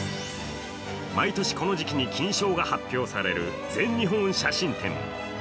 毎年この時期に金賞が発表される全日本写真展。